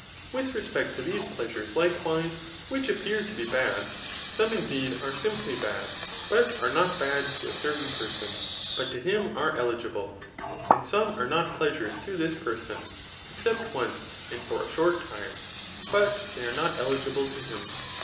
With respect to those pleasures likewise which appear to Digitized by Google CHAP. Xll« STHICS. 377^ lie bad, 'some indeed are Amply bad, bat are not bad to a cataia parson, but to him are eligible; and some are not pleasures to this person,. excq>t: ooce and for a short time, but they are not digibld' to him.